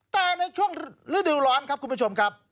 แต่ในช่วงฤดูร้อนครับคุณผู้ชมครับ